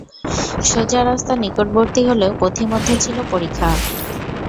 সোজা রাস্তা নিকটবর্তী হলেও পথিমধ্যে ছিল পরিখা।